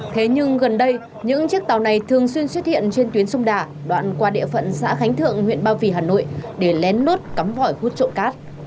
thế nhưng gần đây những chiếc tàu này thường xuyên xuất hiện trên tuyến sông đà đoạn qua địa phận xã khánh thượng huyện ba vì hà nội để lén lút cắm vòi hút trộm cát